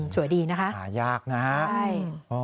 สวยดีนะคะใช่